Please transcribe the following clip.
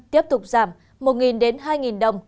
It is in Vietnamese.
tiếp tục giảm một hai đồng